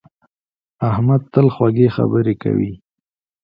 احمد تل خوږې خبرې کوي.